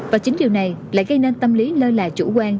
và chính điều này lại gây nên tâm lý lơ là chủ quan